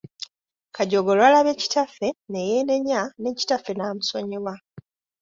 Kajooga olwalabye kitaffe ne yeenenya ne kitaffe n’amusonyiwa.